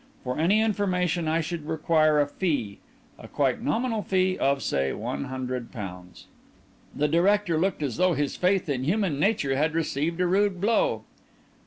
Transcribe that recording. For any information I should require a fee, a quite nominal fee of, say, one hundred pounds." The director looked as though his faith in human nature had received a rude blow.